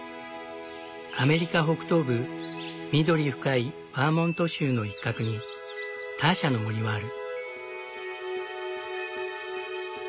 アメリカ北東部緑深いバーモント州の一角にターシャの森はある。